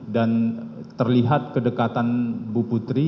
dan terlihat kedekatan bu putri